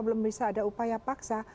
belum bisa ada upaya paksa